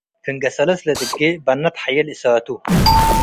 ፍንጌ ሰለስ ለድጌ በነ ተሐዬ ለእሳቱ